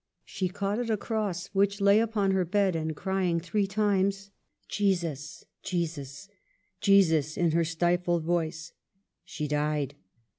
She caught at a cross which lay upon the bed, and, crying three times, '* Jesus ! Jesus ! Jesus !" in her stifled voice, she died.